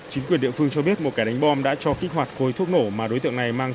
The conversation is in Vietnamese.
chính quyền địa phương cho biết một kẻ đánh bom đã cho kích hoạt khối thuốc nổ mà đối tượng này mang